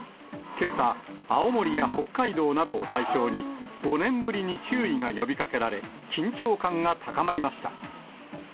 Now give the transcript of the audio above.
けさ、青森や北海道などを対象に、５年ぶりに注意が呼びかけられ、緊張感が高まりました。